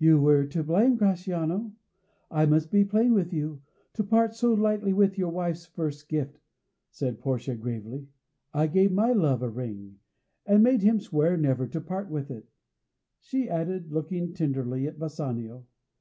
"You were to blame, Gratiano I must be plain with you to part so lightly with your wife's first gift," said Portia gravely. "I gave my love a ring, and made him swear never to part with it," she added, looking tenderly at Bassanio.